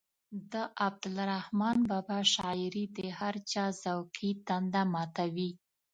د عبدالرحمان بابا شاعري د هر چا ذوقي تنده ماتوي.